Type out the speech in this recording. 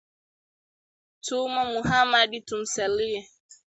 Tumwa Muhammadi tumsaliye